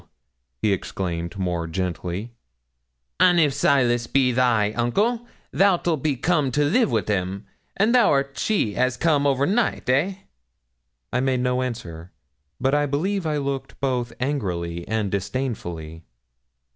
he exclaimed more gently, 'an' if Silas be thy uncle thou'lt be come to live wi' him, and thou'rt she as come overnight eh?' I made no answer, but I believe I looked both angrily and disdainfully.